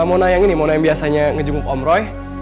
mona yang ini mona yang biasanya ngejemuk om roy